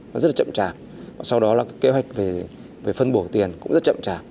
nó rất là chậm trả sau đó là kế hoạch về phân bổ tiền cũng rất chậm trả